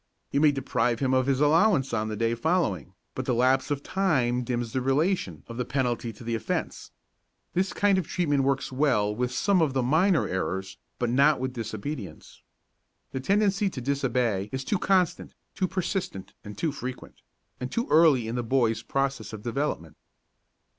You may deprive him of his allowance on the day following, but the lapse of time dims the relation of the penalty to the offence. This kind of treatment works well with some of the minor errors but not with disobedience. The tendency to disobey is too constant, too persistent and too frequent, and too early in the boy's process of development.